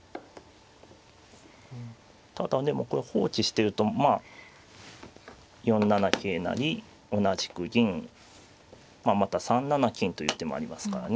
ただでもこれ放置してるとまあ４七桂成同じく銀また３七金という手もありますからね。